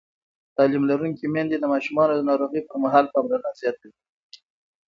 تعلیم لرونکې میندې د ماشومانو د ناروغۍ پر مهال پاملرنه زیاتوي.